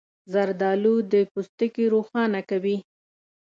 زردالو د پوستکي روښانه کوي.